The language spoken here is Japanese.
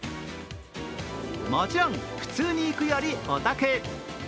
もちろん普通に行くよりお得。